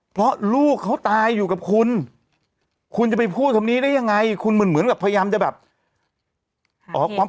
เพราะลูกเขาตายอยู่กับคุณคุณจะไปพูดคำนี้ได้ยังไงคุณเหมือนกับพยายามจะแบบ